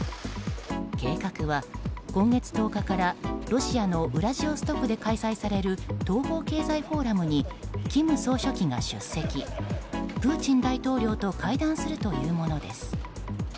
計画は今月１０日からロシアのウラジオストクで開催される東方経済フォーラムに金総書記が出席プーチン大統領と会談するというものです。